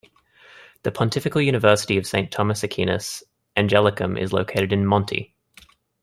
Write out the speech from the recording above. The Pontifical University of Saint Thomas Aquinas, "Angelicum" is located in "Monti"